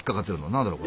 何だろう？